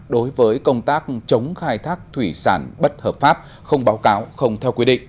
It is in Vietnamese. đối với công tác chống khai thác thủy sản bất hợp pháp không báo cáo không theo quy định